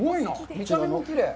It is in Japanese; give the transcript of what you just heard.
見た目もきれい。